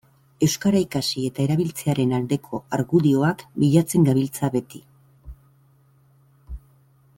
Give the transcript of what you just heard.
Euskara ikasi eta erabiltzearen aldeko argudioak bilatzen gabiltza beti.